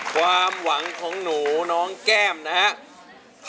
ความหวังของหนูน้องแก้มนะครับ